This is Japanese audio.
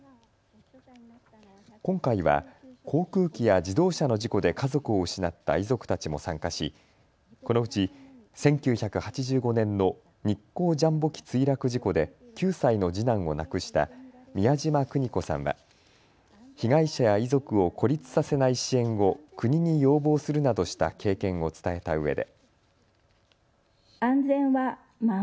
今回は航空機や自動車の事故で家族を失った遺族たちも参加しこのうち１９８５年の日航ジャンボ機墜落事故で９歳の次男を亡くした美谷島邦子さんは被害者や遺族を孤立させない支援を国に要望するなどした経験を伝えたうえで。